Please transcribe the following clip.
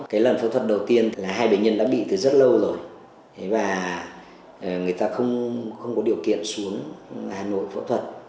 cái lần phẫu thuật đầu tiên là hai bệnh nhân đã bị từ rất lâu rồi và người ta không có điều kiện xuống hà nội phẫu thuật